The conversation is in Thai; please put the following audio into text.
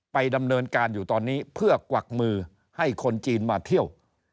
ไปดำเนินการอยู่ตอนนี้เพื่อกวักมือให้คนจีนมาเที่ยว